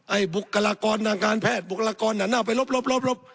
บุคลากรทางการแพทย์บุคลากรนั้นเอาไปลบ